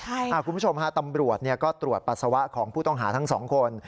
คุณผู้ชมฮะตำรวจก็ตรวจปัสสาวะของผู้ต้องหาทั้งสองคน